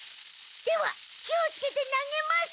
では火をつけて投げます！